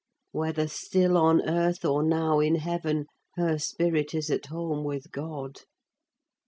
Whether still on earth or now in heaven, her spirit is at home with God!"